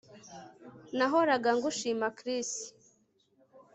Nahoraga ngushima Chris